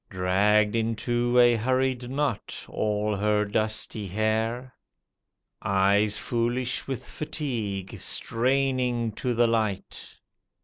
Dragged into a hurried knot all her dusty hair. Eyes foolish with fatigue, straining to the light.